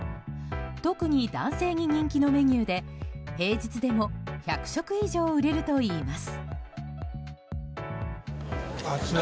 特に男性に人気のメニューで平日でも１００食以上売れるといいます。